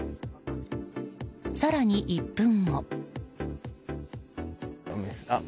更に１分後。